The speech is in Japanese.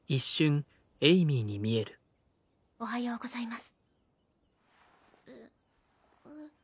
おはようございます。